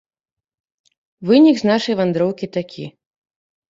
Вынік з нашай вандроўкі такі.